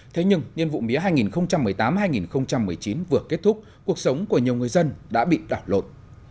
thế nhưng nhiệm vụ mía hai nghìn một mươi tám hai nghìn một mươi chín vừa kết thúc cuộc sống của nhiều người dân đã bị đảo lột